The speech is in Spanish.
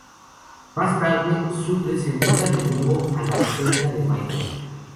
Más tarde, Sucre se muda de nuevo a la celda de Michael.